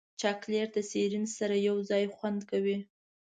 چاکلېټ د سیرین سره یوځای خوند کوي.